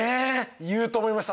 言うと思いました。